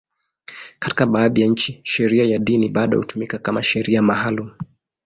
Katika baadhi ya nchi, sheria ya dini bado hutumika kama sheria maalum.